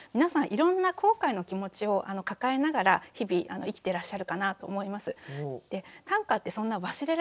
いろんな後悔の気持ちを抱えながら日々生きてらっしゃるかなと思います。